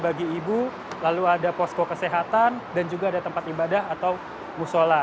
bagi ibu lalu ada posko kesehatan dan juga ada tempat ibadah atau musola